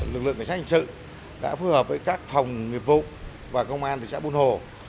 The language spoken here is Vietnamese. lực lượng cảnh sát hình sự đã phù hợp với các phòng nghiệp vụ và công an thị xã buôn hồ